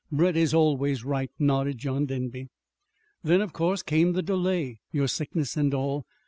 Brett is always right," nodded John Denby. "Then, of course, came the delay, your sickness, and all.